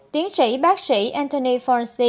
tiến sĩ bác sĩ anthony fowler